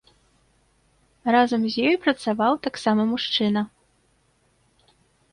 Разам з ёй працаваў таксама мужчына.